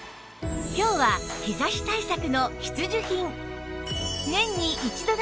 今日は日差し対策の必需品